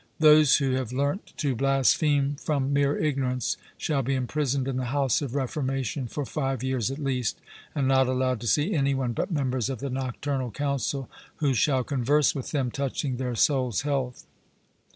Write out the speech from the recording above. Those who have learnt to blaspheme from mere ignorance shall be imprisoned in the House of Reformation for five years at least, and not allowed to see any one but members of the Nocturnal Council, who shall converse with them touching their souls health.